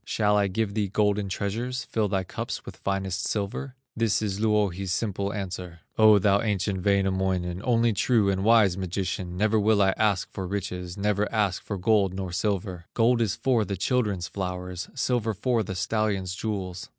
Shall I give thee golden treasures, Fill thy cups with finest silver?" This is Louhi's simple answer: "O thou ancient Wainamoinen, Only true and wise magician, Never will I ask for riches, Never ask for gold nor silver; Gold is for the children's flowers, Silver for the stallion's jewels.